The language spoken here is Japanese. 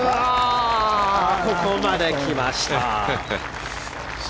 ここまできました。